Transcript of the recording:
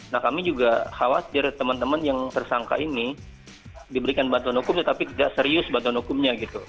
nah kami juga khawatir teman teman yang tersangka ini diberikan bantuan hukum tetapi tidak serius bantuan hukumnya gitu